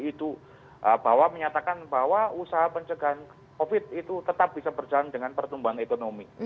itu bahwa menyatakan bahwa usaha pencegahan covid itu tetap bisa berjalan dengan pertumbuhan ekonomi